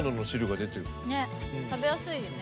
ねっ食べやすいよね。